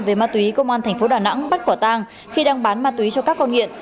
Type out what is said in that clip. về ma túy công an thành phố đà nẵng bắt quả tang khi đang bán ma túy cho các con nghiện